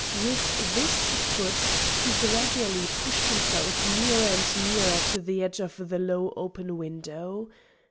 With this foot he gradually pushed himself nearer and nearer to the edge of the low open window.